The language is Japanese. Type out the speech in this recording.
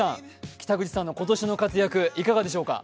北口さんの今年の活躍いかがでしょうか？